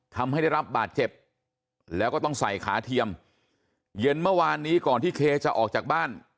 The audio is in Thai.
ทำให้ได้รับบาดเจ็บแล้วก็ต้องใส่ขาเทียมเย็นเมื่อวานนี้ก่อนที่เคจะออกจากบ้าน